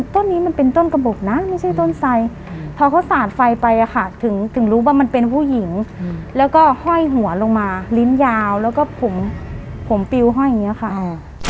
ถึงรู้ว่ามันเป็นผู้หญิงแล้วก็ห้อยหัวลงมาลิ้นยาวแล้วก็ผมผมปลิวห้อยอย่างเนี้ยค่ะอ่า